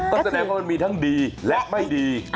ออันตรายแรมว่ามันมีทั้งดีและไม่ดี